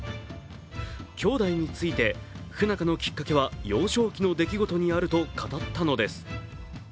兄弟について不仲のきっかけは幼少期の出来事にあると語ったのです。